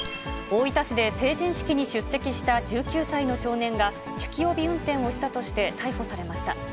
大分市で成人式に出席した１９歳の少年が、酒気帯び運転をしたとして、逮捕されました。